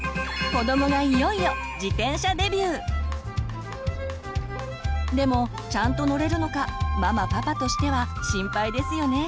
子どもがいよいよでもちゃんと乗れるのかママパパとしては心配ですよね。